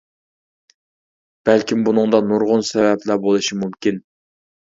بەلكىم بۇنىڭدا نۇرغۇن سەۋەبلەر بولۇشى مۇمكىن.